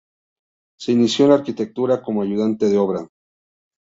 Se inició en la arquitectura como ayudante de obra.